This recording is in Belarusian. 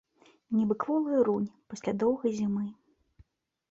Нібы кволая рунь пасля доўгай зімы.